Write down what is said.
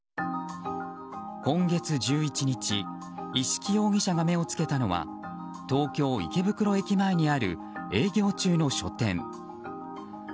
今月１１日一色容疑者が目を付けたのは東京・池袋駅前にある営業中の書店。